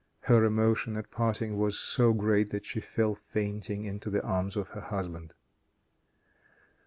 Her emotion at parting was so great that she fell fainting into the arms of her husband.